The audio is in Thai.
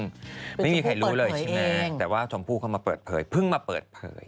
เป็นชมพู่เปิดเผยเองไม่มีใครรู้เลยใช่ไหมแต่ว่าชมพู่เขามาเปิดเผยเพิ่งมาเปิดเผย